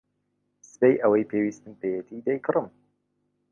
سبەی ئەوەی پێویستم پێیەتی دەیکڕم.